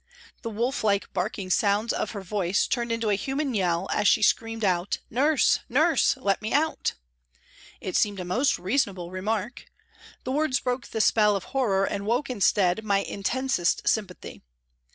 The wolf like barking sounds of her voice turned into a human yell as she screamed out, " Nurse ! Nurse ! Let me out." It seemed a most reasonable remark. The words broke the spell of horror and woke instead my intensest sympathy.